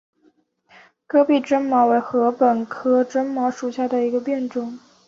戈壁针茅为禾本科针茅属下的一个变种。